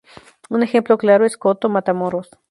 Un ejemplo claro es Coto Matamoros.